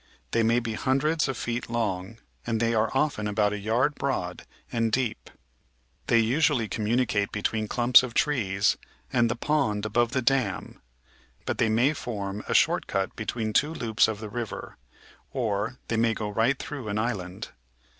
They may be hundreds of feet long, and they are often about a yard broad and 494 The Outline of Science deep. They usually communicate between clumps of trees and the pond above the dam, but they may form a short cut between two loops of the river, or they may go right through an island.